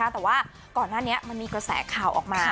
แต่ว่าก่อนหน้านี้มันมีกระแสข่าวออกมา